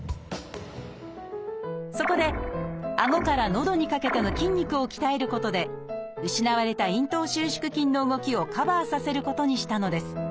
そこであごからのどにかけての筋肉を鍛えることで失われた咽頭収縮筋の動きをカバーさせることにしたのです。